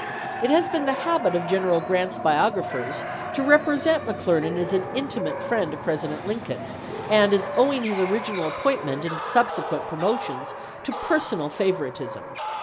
It has been the habit of General Grant's biographers to represent Mc Clernand as an intimate friend of President Lin coln and as owing his original appointment and subsequent promotions to personal favoritism.